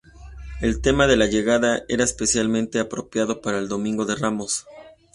El tema de la llegada era especialmente apropiado para el Domingo de Ramos.